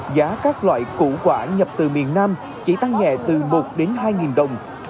giá các loại củ quả nhập từ miền nam chỉ tăng nhẹ từ một đến hai đồng